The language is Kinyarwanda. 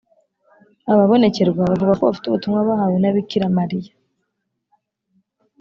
ababonekerwa bavuga ko bafite ubutumwa bahawe na bikira mariya